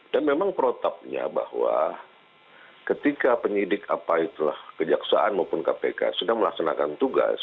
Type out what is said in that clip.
dan memang protapnya bahwa ketika penyidik apa itulah kejaksaan maupun kpk sudah melaksanakan tugas